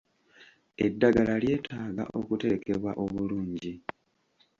Eddagala lyeetaaga okuterekebwa obulungi.